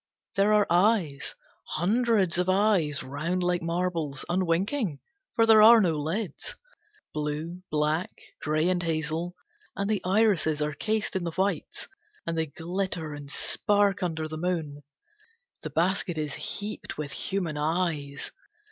They are eyes, hundreds of eyes, round like marbles! Unwinking, for there are no lids. Blue, black, gray, and hazel, and the irises are cased in the whites, and they glitter and spark under the moon. The basket is heaped with human eyes.